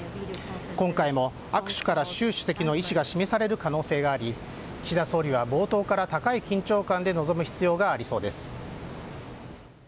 今回も握手から習主席の意思が示される可能性があり岸田総理は冒頭から高い緊張感で臨む必要がありそうです。